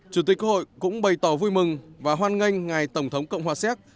chủ tịch cơ hội cũng bày tỏ vui mừng và hoan nghênh ngày tổng thống cộng hòa xéc